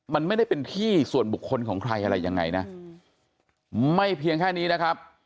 มันไม่ได้เป็นที่ส่วนบุคคลของใครอะไรยังไงนะไม่เพียงแค่นี้นะครับ